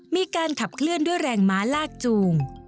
มีการขับเคลื่อนด้วยแรงม้าลากจูง